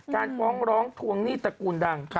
การฟ้องร้องทวงหนี้ตระกูลดัง